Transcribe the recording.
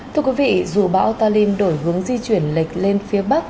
thưa quý vị dù bão talim đổi hướng di chuyển lệch lên phía bắc